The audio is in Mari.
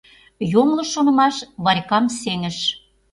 Йоҥылыш шонымаш Варькам сеҥыш.